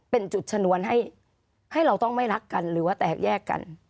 เป็นจุดชนวนให้เราต้องไม่รักกันหรือว่าแตกแยกกัน